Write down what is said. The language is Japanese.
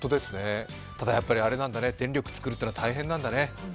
ただ、電力作るというのは大変なんだね。